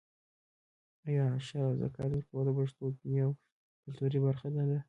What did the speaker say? آیا عشر او زکات ورکول د پښتنو دیني او کلتوري برخه نه ده؟